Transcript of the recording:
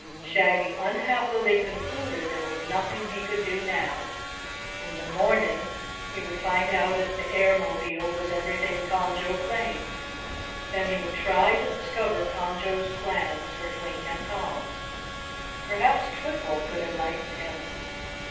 Shaggy unhappily concluded there was nothing he could do now. In the morning he would find out if the Airmobile was everything Conjo claimed. Then he would try to discover Conjo's plans for Twink and Tom. Perhaps Twiffle could enlighten him.